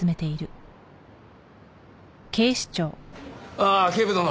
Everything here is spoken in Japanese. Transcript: ああ警部殿。